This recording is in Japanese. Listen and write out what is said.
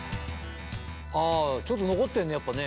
あちょっと残ってんねやっぱね。